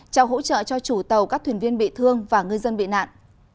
trao hỗ trợ cho chủ tàu các thuyền viên bị thương và ngư dân bị nạn